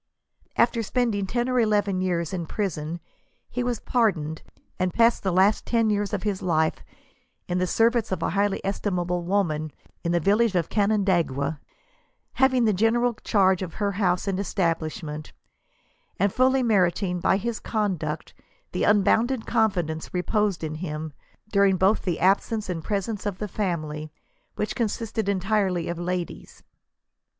'* After spending ten or eleven years in prisQn he was pardoned, and passed the last teii years of his life in the service of a highly estimable woman in the village of Canandaigua, having the general charge of her house and establishment, and fully merit ing, by his conduct, the unbounded confidence reposed in him, during both the absence and presence of the family, which, consisted entirely of ladies."